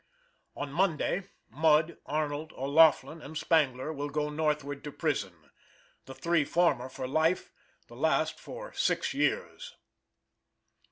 On Monday, Mudd, Arnold, O'Laughlin, and Spangler, will go northward to prison. The three former for life, the last for six years.